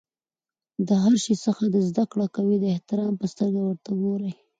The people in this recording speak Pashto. له هر شي څخه چي زدکړه کوى؛ د احترام په سترګه ورته ګورئ!